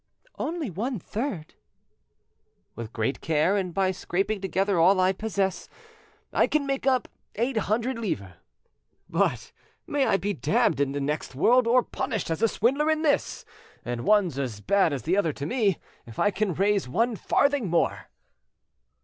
"Only one third?" "With great care, and by scraping together all I possess, I can make up eight hundred livres. But may I be damned in the next world, or punished as a swindler in this, and one's as bad as the other to me, if I can raise one farthing more."